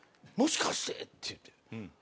もしかして」って言うて。